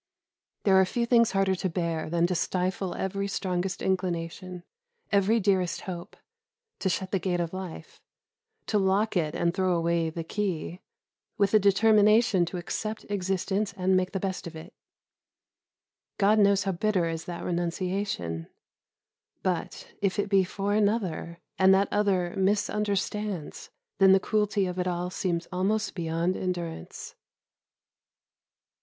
There are few things harder to bear than to stifle every strongest inclination, every dearest hope, to shut the gate of life, to lock it and throw away the key, with a determination to accept existence and make the best of it. God knows how bitter is that renunciation, but, if it be for another, and that other misunderstands, then the cruelty of it all seems almost beyond endurance.